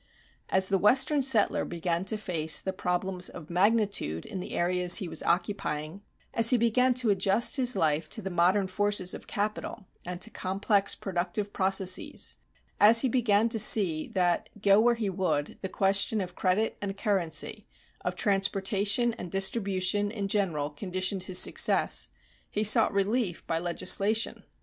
As the western settler began to face the problem of magnitude in the areas he was occupying; as he began to adjust his life to the modern forces of capital and to complex productive processes; as he began to see that, go where he would, the question of credit and currency, of transportation and distribution in general conditioned his success, he sought relief by legislation.